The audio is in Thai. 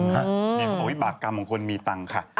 นี่คือของวิบากรรมของคนมีตังค์ค่ะ